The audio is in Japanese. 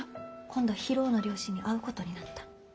今度博夫の両親に会うことになった。